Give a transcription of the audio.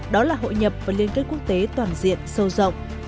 đó là hội nhập và liên kết quốc tế toàn diện sâu rộng